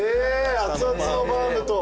熱々のバウムと。